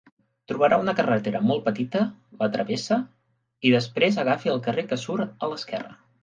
Trobarà una carretera molt petita, la travessa, i després agafi el carrer que surt a l'esquerra.